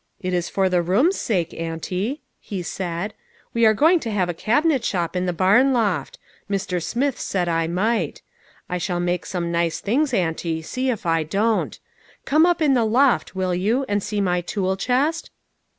" It is for the room's sake, auntie," he said. " We are going to have a cabinet shop in the barn loft. Mr. Smith said I might. I shall make some nice things, auntie, see if I don't. Come up in the loft, will you, and see my tool chest